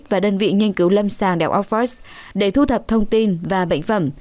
và đơn vị nghiên cứu lâm sàng đạo office để thu thập thông tin và bệnh phẩm